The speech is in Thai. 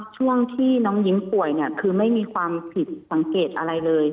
ช่วงที่น้องยิ้มป่วยเนี่ยคือไม่มีความผิดสังเกตอะไรเลย